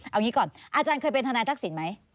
เอางี้ก่อนอาจารย์เคยเป็นทนายทักษิณไหม